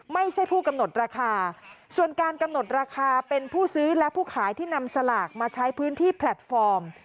ไม่ใช่ผู้กำหนดราคาส่วนการกำหนดราคาเป็นผู้ซื้อและผู้ขายที่นำสลากมาใช้พื้นที่แพลตฟอร์ม